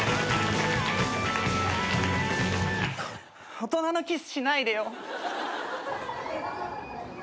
大人のキスしないでよ。